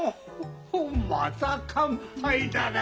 また乾杯だな。